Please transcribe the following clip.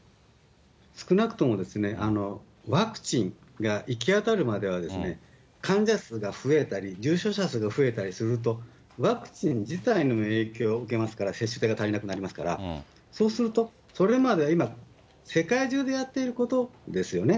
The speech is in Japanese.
少なくともワクチンが行き渡るまでは、患者数が増えたり、重症者数が増えたりすると、ワクチン自体も影響を受けますから、接種手が足りなくなりますから、そうするとそれまでは今、世界中でやっていることですよね。